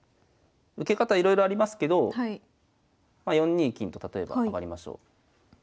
受け方いろいろありますけどま４二金と例えば上がりましょう。